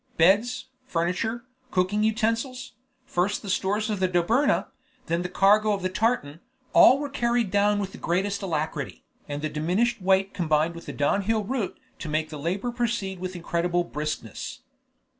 Beds, furniture, cooking utensils first the stores of the Dobryna, then the cargo of the tartan all were carried down with the greatest alacrity, and the diminished weight combined with the downhill route to make the labor proceed with incredible briskness.